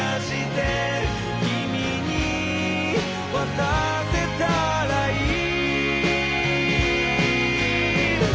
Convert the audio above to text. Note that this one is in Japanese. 「君に渡せたらいい」